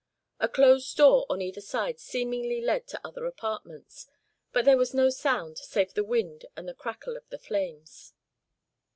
A closed door on either side seemingly led to other apartments, but there was no sound save the wind and the crackle of the flames.